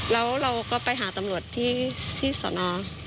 แล้วเราก็ไปหาตำรวจที่สน